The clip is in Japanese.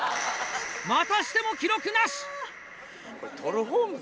またしても記録なし！